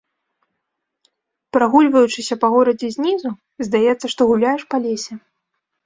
Прагульваючыся па горадзе знізу, здаецца, што гуляеш па лесе.